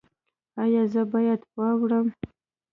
ایا زه باید واورم؟